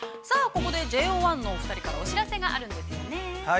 ◆ここでＪＯ１のお二人からお知らせがあるんですよね。